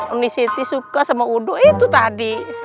uni siti suka sama udo itu tadi